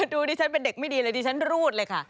ดูดิฉันเป็นเด็กไม่ดีเลยดิฉันรูดเลยค่ะ